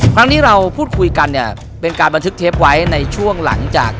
ครั้งนี้เราพูดคุยกันเนี่ยเป็นการบันทึกเทปไว้ในช่วงหลังจาก